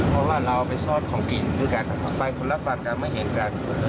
เพราะว่าเราไปซ่อนของกินด้วยกันไปคนละฝั่งแต่ไม่เห็นกัน